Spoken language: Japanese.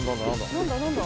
何だ何だ？